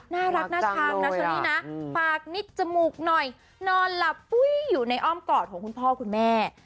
น่ารักน่าทางปากนิดจมูกหน่อยนอนหลับอยู่ในอ้อมกอดของคุณพ่อคุณแม่